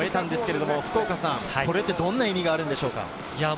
これはどんな意味があるのでしょうか？